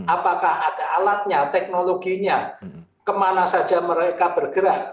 apakah ada alatnya teknologinya kemana saja mereka bergerak